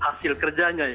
hasil kerjanya ya